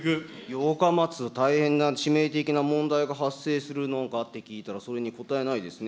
８日待つと、大変な致命的な問題が発生するのかって聞いたら、それに答えないですね。